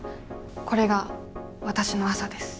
これがわたしの朝です。